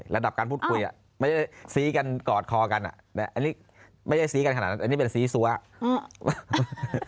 ระดับการพูดคุยไม่ได้ซี้กันกอดคอกันอันนี้ไม่ใช่ซี้กันขนาดนั้นอันนี้เป็นซีซัว